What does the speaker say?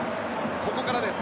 ここからです。